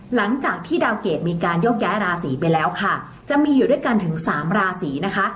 หลังจากที่ดาวเกรดมีการโยกย้ายราศีไปแล้วค่ะจะมีอยู่ด้วยกันถึงสามราศีนะคะ